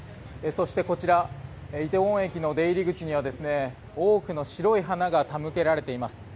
そして、こちら梨泰院駅の出入り口には多くの白い花が手向けられています。